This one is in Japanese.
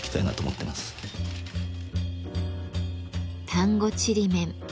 丹後ちりめん。